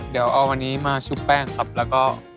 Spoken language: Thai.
เดี๋ยวเอาวันนี้มาชุบแป้งครับแล้วก็